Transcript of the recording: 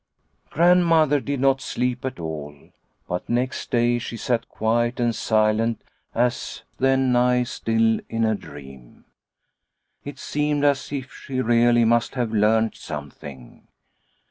Grandmother did not sleep at all, but next day she sat quiet and silent as thonigh still in a dream ; it seemed as if she rea ly must have learnt something.